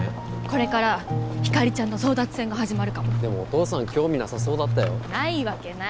これからひかりちゃんの争奪戦が始まるかもでもお父さん興味なさそうだったよな